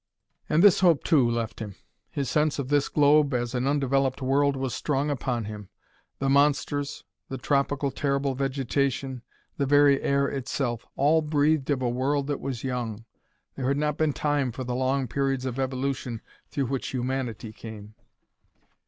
And this hope, too, left him; his sense of this globe as an undeveloped world was strong upon him. The monsters; the tropical, terrible vegetation; the very air itself all breathed of a world that was young. There had not been time for the long periods of evolution through which humanity came.